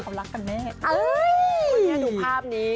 วันนี้ดูภาพนี้